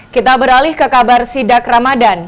kita beralih ke kabar sidak ramadan